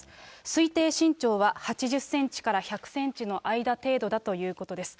推定身長は８０センチから１００センチの間程度だということです。